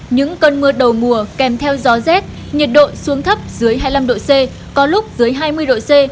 những cơn mưa đầu mùa kèm theo gió rét nhiệt độ xuống thấp dưới hai mươi năm độ c có lúc dưới hai mươi độ c